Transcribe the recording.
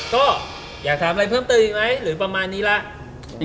ก็อยากถามอะไรเพิ่มเติมอีกไหมหรือประมาณนี้แล้ว